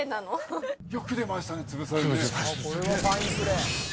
これはファインプレー。